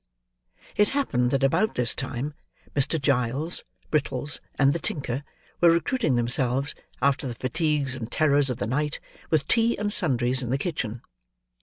It happened that about this time, Mr. Giles, Brittles, and the tinker, were recruiting themselves, after the fatigues and terrors of the night, with tea and sundries, in the kitchen.